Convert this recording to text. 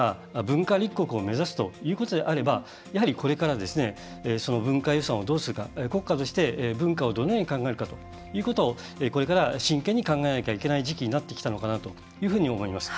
もしも日本が文化立国を目指すということであればこれから文化遺産をどうするか国家として文化遺産をどのように考えるかをこれから真剣に考えなきゃいけない時期になってきたのかなと思います。